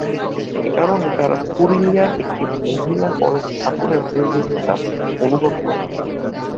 এই কারণে তাঁরা পুরুলিয়ায় একটি মহিলা কলেজ স্থাপনের প্রয়োজনীয়তা অনুভব করেন।